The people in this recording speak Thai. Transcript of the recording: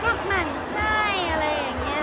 ก็มันใช่อะไรอย่างนี้